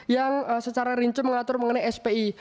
yang secara rinci mengatur mengenai spi